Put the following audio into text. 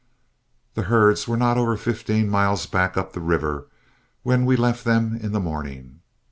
The herds were not over fifteen miles back up the river when we left them in the morning.